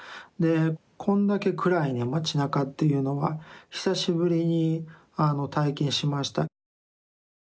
こんだけ暗い町なかっていうのは久しぶりに体験しました。